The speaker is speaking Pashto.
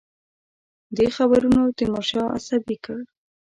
دې خبرونو تیمورشاه عصبي کړ.